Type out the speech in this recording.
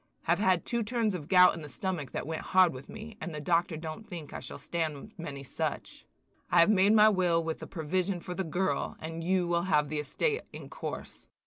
Have had two turns of gout in the stomach that went hard with me, and the doctor don't think I shall stand many such. I have made my will with a provision for the girl, and you will have the estate in course.